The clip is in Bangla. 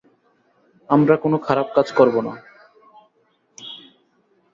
আমরা কোনো খারাপ কাজ করব না।